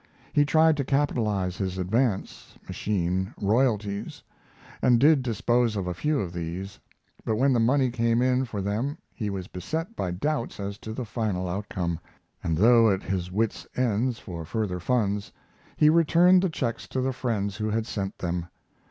He tried to capitalize his advance (machine) royalties, and did dispose of a few of these; but when the money came in for them he was beset by doubts as to the final outcome, and though at his wit's ends for further funds, he returned the checks to the friends who had sent them.